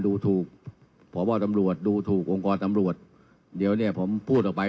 ดูถูกพบตำรวจดูถูกองค์กรตำรวจเดี๋ยวเนี่ยผมพูดออกไป